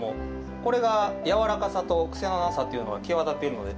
これがやわらかさと癖のなさというのが際立っているので。